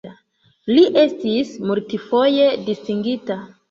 Li estis multfoje distingita.